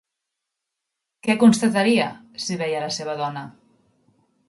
Què constataria si veia la seva dona?